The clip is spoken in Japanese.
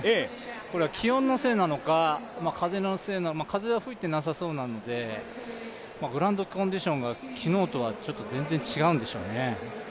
これは気温のせいなのか風のせいなのか風は吹いてなさそうなのでグラウンドコンディションが昨日とは全然違うんでしょうね。